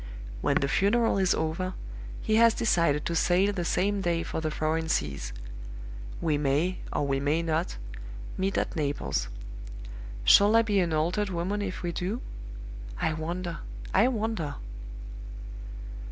When the funeral is over, he has decided to sail the same day for the foreign seas. We may, or we may not, meet at Naples. Shall I be an altered woman if we do? I wonder; I wonder!"